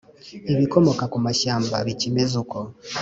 Ibikomoka ku mashyamba bikimeze uko